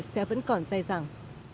sẽ vẫn còn dài dàng